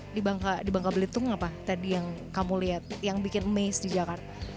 apa yang gak ada di bangka belitung apa tadi yang kamu lihat yang bikin amaze di jakarta